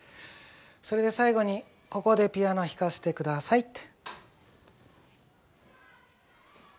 それでさい後にここでピアノひかせてくださいって。